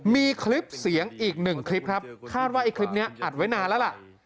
มีคลิปเสียงอีกหนึ่งคลิปครับคาดว่าไอ้คลิปนี้อัดไว้นานแล้วล่ะ